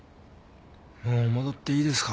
もう戻っていいですか？